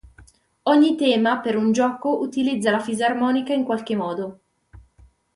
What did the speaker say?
Ogni "tema" per un gioco utilizza la fisarmonica in qualche modo.